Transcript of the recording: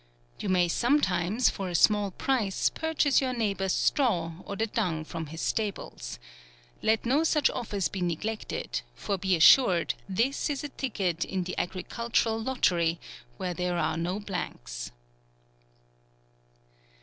— You may sometimes, for ? small price, pur chase your neighbour's straw, or the dung from his stables. Let no such offers be ne glected, for be assured, this is a ticket in the agricultural lottery, where there are no blanks.